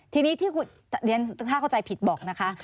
ทีนี้ถ้าเข้าใจผิดบอกนะคะ